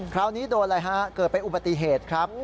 คราวนี้โดนอะไรฮะเกิดเป็นอุบัติเหตุครับ